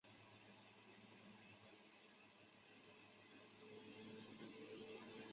多花贝母兰为兰科贝母兰属下的一个种。